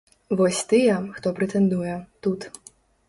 Вось тыя, хто прэтэндуе, тут.